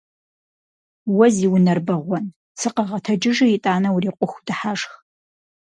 Уэ зи унэр бэгъуэн! Сыкъэгъэтэджыжи итӏанэ урикъуху дыхьэшх!